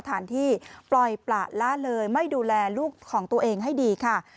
ที่ปล่อยประละเลยไม่ดูแลลูกของตัวเองให้ดีค่ะ